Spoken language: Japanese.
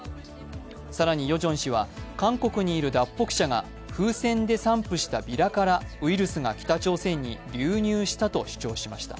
更にヨジョン氏は韓国にいる脱北者が風船で散布したウイルスが北朝鮮に流入したと主張しました。